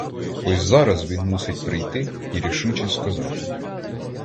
Ось зараз він мусить прийти й рішуче сказати.